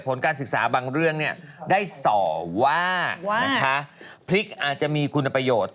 ผลการศึกษาบางเรื่องได้ส่อว่านะคะพริกอาจจะมีคุณประโยชน์